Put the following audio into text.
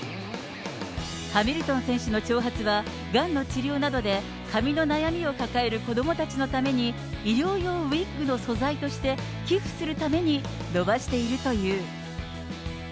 ハミルトン選手の長髪は、がんの治療などで髪の悩みを抱える子どもたちのために、医療用ウィッグの素材として寄付するために伸ばしているという。